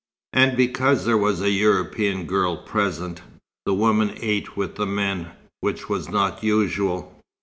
And because there was a European girl present, the women ate with the men, which was not usual.